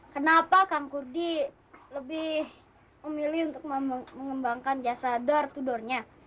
kenapa kang kurdi lebih memilih untuk mengembangkan jasa door to doornya